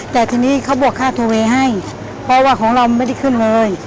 แต่ทีนี้เขาบวกค่าโทเวย์ให้เพราะว่าของเราไม่ได้ขึ้นเลย